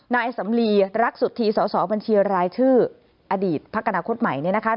นายสำลีรักสุธีสสบัญชีรายชื่ออดีตพักอนาคตใหม่เนี่ยนะคะ